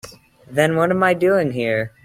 Then what am I doing here?